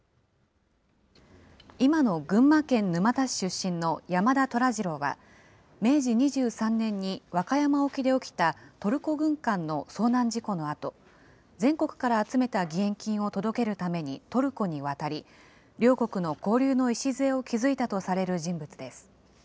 今の群馬県沼田市出身の山田寅次郎は、明治２３年に和歌山沖で起きたトルコ軍艦の遭難事故のあと、全国から集めた義援金を届けるためにトルコに渡り、両国の交流の礎を築いたとされる人物です。